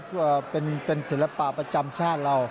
เพื่อเป็นศิลปะประจำชาติเรา